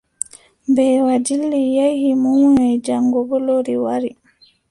Mbeewa dilli, yehi munyoy, jaŋgo boo lori wari.